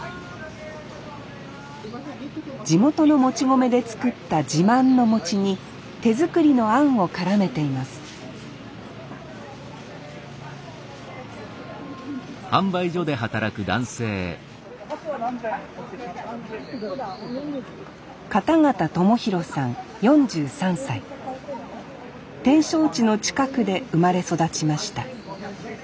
地元のもち米で作った自慢の餅に手作りのあんを絡めています展勝地の近くで生まれ育ちました。